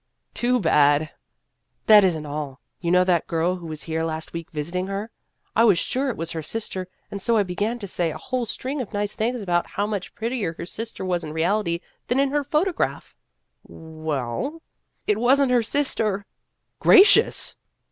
" "Too bad!" "That is n't all. You know that girl who was here last week visiting her ? I was sure that it was her sister, and so I began to say a whole string of nice things about how much prettier her sister was in reality than in her photograph." In Search of Experience 15 "Well?" " It was n't her sister." " Gracious